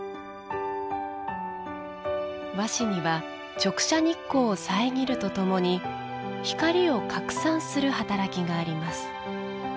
和紙には直射日光を遮るとともに光を拡散する働きがあります。